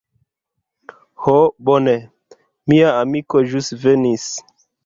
Ho bone, mia amiko ĵus venis.